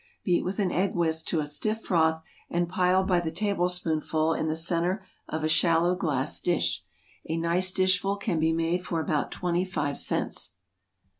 Beat with an egg whisk to a stiff froth and pile by the tablespoonful in the centre of a shallow glass dish. A nice dishful can be made for about twenty five cents.